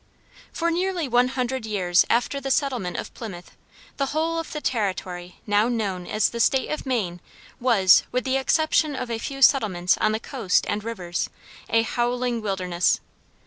For nearly one hundred years after the settlement of Plymouth, the whole of the territory now known as the State of Maine was, with the exception of a few settlements on the coast and rivers, a howling wilderness.